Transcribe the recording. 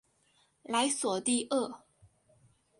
莱索蒂厄。